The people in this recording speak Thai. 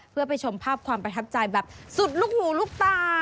เพื่อไปชมภาพความประทับใจแบบสุดลูกหูลูกตา